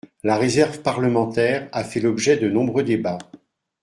La réserve parlementaire a fait l’objet de nombreux débats.